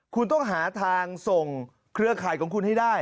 คุณต้องหาทางส่งเครือข่ายของคุณให้ได้